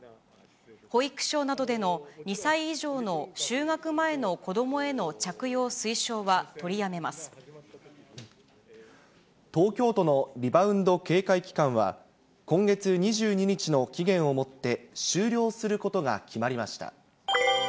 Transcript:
保育所などでの２歳以上の就学前の子どもへの着用推奨は取りやめ東京都のリバウンド警戒期間は、今月２２日の期限をもって終了することが決まりました。